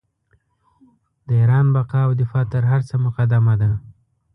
د ایران بقا او دفاع تر هر څه مقدمه ده.